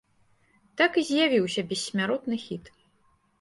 Так і з'явіўся бессмяротны хіт.